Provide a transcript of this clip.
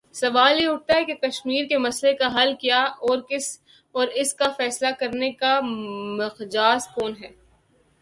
سوال یہ اٹھتا کہ کشمیر کے مسئلے کا حل کیا اور اس کا فیصلہ کرنے کا مجاز کون ہے؟